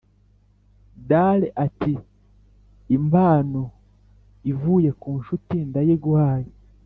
dale ati: "impano, ivuye ku nshuti ndayiguhaye.